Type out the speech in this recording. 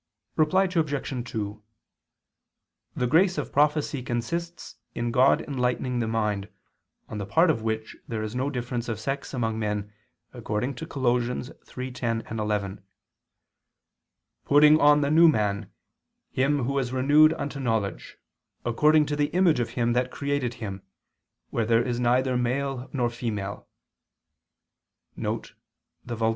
Reply Obj. 2: The grace of prophecy consists in God enlightening the mind, on the part of which there is no difference of sex among men, according to Col. 3:10, 11, "Putting on the new" man, "him who is renewed unto knowledge, according to the image of Him that created him, where there is neither male nor female [*Vulg.